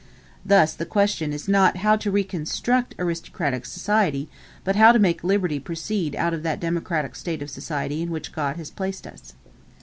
Thus the question is not how to reconstruct aristocratic society, but how to make liberty proceed out of that democratic state of society in which God has placed us.